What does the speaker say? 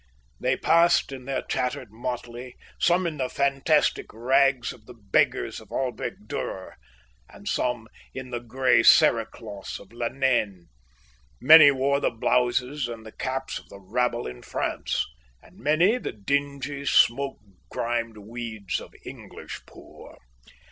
They passed in their tattered motley, some in the fantastic rags of the beggars of Albrecht Dürer and some in the grey cerecloths of Le Nain; many wore the blouses and the caps of the rabble in France, and many the dingy, smoke grimed weeds of English poor.